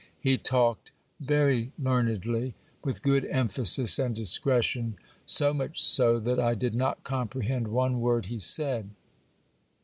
He talked very learnedly, with good emphasis and discretion ; so much so, that I did not comprehend one word he said.